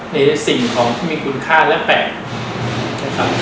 ในสิ่งของที่มีคุณค่าแปลก